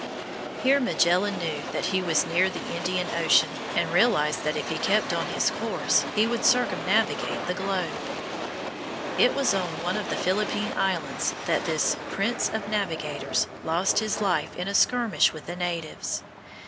Here Magellan knew that he was near the Indian Ocean, and realized that if he kept on in his course he would circumnavigate the globe. It was on one of the Philippine Islands that this "Prince of Navigators" lost his life in a skirmish with the natives.